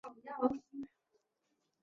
其周围常发生小型地震。